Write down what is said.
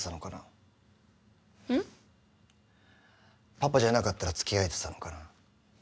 パパじゃなかったらつきあえてたのかな？